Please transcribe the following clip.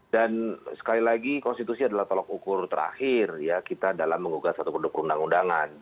dan sekali lagi konstitusi adalah tolak ukur terakhir ya kita dalam mengugat satu produk perundang undangan